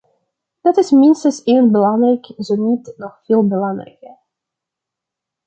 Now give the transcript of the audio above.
Dat is minstens even belangrijk, zo niet, nog veel belangrijker.